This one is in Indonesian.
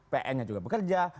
pn nya juga bekerja